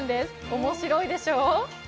面白いでしょう。